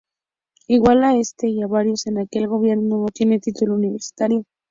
Igual a este, y a varios en aquel gobierno, no tiene título universitario.